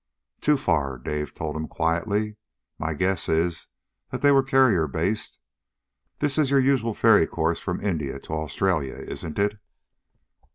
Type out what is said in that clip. "Too far," Dave told him quietly. "My guess is that they were carrier based. This is your usual ferry course from India to Australia, isn't it?"